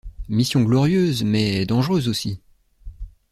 Mission glorieuse, mais... dangereuse aussi!